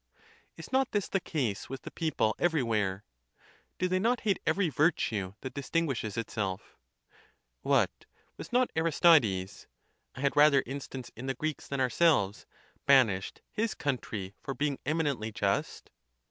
Is not this the case with the people every where? Do they not hate every virtue that distinguishes itself? What! was not Aristides (I had rather instance in the Greeks than ourselves) banished his country for be ing eminently just?